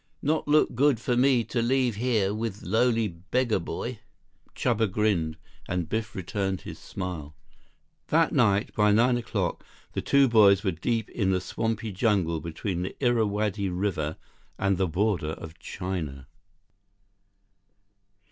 Not look good for me to leave here with lowly beggar boy." Chuba grinned, and Biff returned his smile. That night, by nine o'clock, the two boys were deep in the swampy jungle between the Irrawaddy River and the border of China.